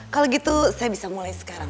kalau gitu saya bisa mulai sekarang